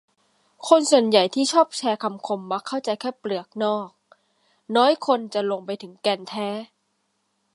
คนส่วนใหญ่ที่ชอบแชร์คำคมมักเข้าใจแค่เปลือกนอก น้อยคนจะลงไปถึงแก่นแท้